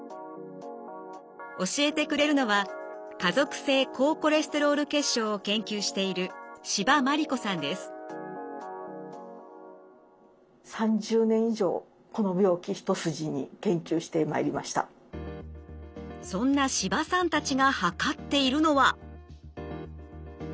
教えてくれるのは家族性高コレステロール血症を研究しているそんな斯波さんたちが測っているのは。